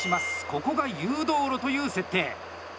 ここが誘導路という設定。